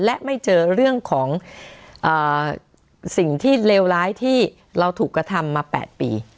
และไม่เจอเรื่องของสิ่งที่เลวร้ายที่เราถูกกระทำมา๘ปี